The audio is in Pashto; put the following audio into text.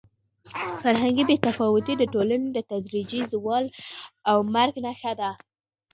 فرهنګي بې تفاوتي د ټولنې د تدریجي زوال او مرګ نښه ده.